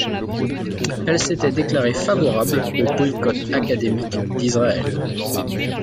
Elle s'était déclarée favorable au boycott académique d'Israël.